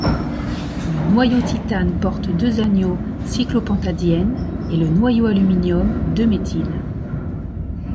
Le noyau titane porte deux anions cyclopentadiène, et le noyau aluminium, deux méthyls.